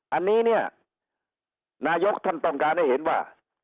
อันนี้เนี่ยนายกท่านต้องการให้เห็นว่า